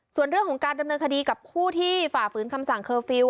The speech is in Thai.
ส่วนเรื่องของการดำเนินคดีกับผู้ที่ฝ่าฝืนคำสั่งเคอร์ฟิลล